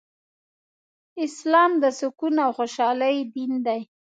اسلام د سکون او خوشحالۍ دين دی